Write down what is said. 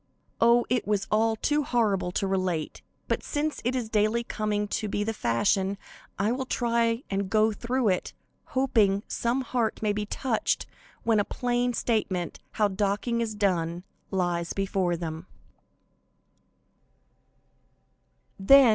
Oh, it was all too horrible to relate, but since it is daily coming to be the fashion, I will try and go through it, hoping some heart may be touched when a plain statement how docking is done, lies before them.